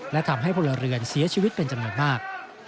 และทำให้พลเรือนเสียชีวิตเป็นจำนวนมาก